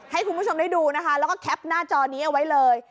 ให้คุณผู้ชมได้ดูนะคะแล้วก็แคปหน้าจอนี้เอาไว้เลย